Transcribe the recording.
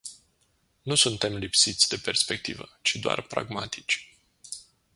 Nu suntem lipsiți de perspectivă, ci doar pragmatici.